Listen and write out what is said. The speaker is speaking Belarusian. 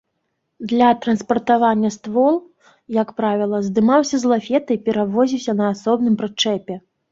Для транспартавання ствол, як правіла, здымаўся з лафета і перавозіўся на асобным прычэпе.